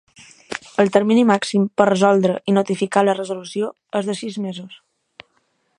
El termini màxim per resoldre i notificar la resolució és de sis mesos.